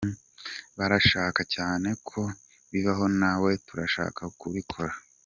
Barashaka cyane ko bibaho natwe turashaka kubikora.